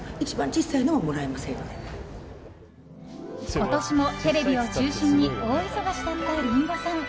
今年もテレビを中心に大忙しだったリンゴさん。